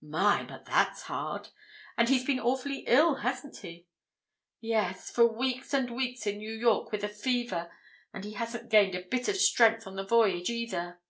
"My! but that's hard; and he's been awfully ill, hasn't he?" "Yes, for weeks and weeks in New York with a fever; and he hasn't gained a bit of strength on the voyage, either."